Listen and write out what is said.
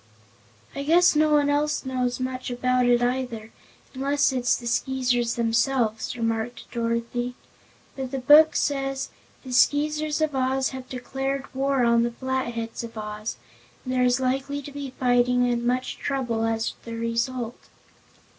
"I guess no one else knows much about it either, unless it's the Skeezers themselves," remarked Dorothy. "But the Book says: 'The Skeezers of Oz have declared war on the Flatheads of Oz, and there is likely to be fighting and much trouble as the result.'"